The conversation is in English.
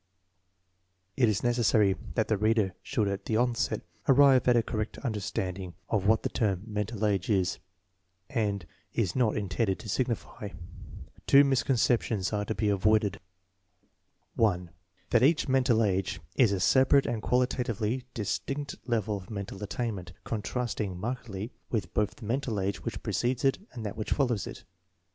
It is necessary that the reader should at the outset arrive at a correct understanding of what the term "mental age 9 ' is and is not intended to signify. Two misconceptions are to be avoided: 1. That each "mental age' 9 is a separate and quali tatively distinct level of mental attainment, contrast ing markedly with both the mental age which precedes it and that which follows it.